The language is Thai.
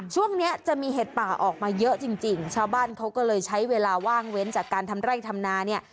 ช่วงนี้จะมีเห็ดป่าออกมาเยอะจริงจริงชาวบ้านเขาก็เลยใช้เวลาว่างเว้นจากการทำไร่ทำนาเนี่ย